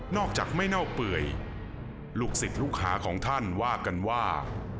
อกจากไม่เน่าเปื่อยลูกศิษย์ลูกหาของท่านว่ากันว่า